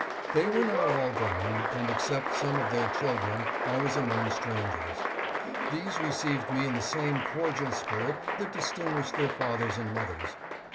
They were now all gone, and except some of their children, I was among strangers. These received me in the same cordial spirit that distinguished their fathers and mothers.